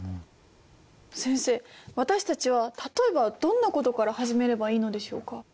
先生私たちは例えばどんなことから始めればいいのでしょうか？